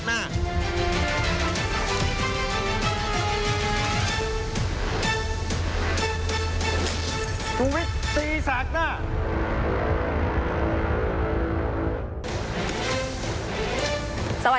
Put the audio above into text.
โดย